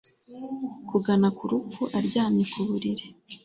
kugana ku rupfu aryamye ku buriri